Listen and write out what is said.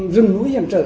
rừng núi hiểm trở